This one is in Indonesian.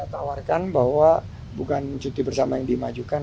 tawarkan bahwa bukan cuti bersama yang dimajukan